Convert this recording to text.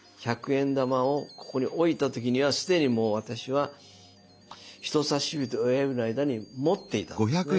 １００円玉をここに置いた時にはすでにもう私は人差し指と親指の間に持っていたんですね。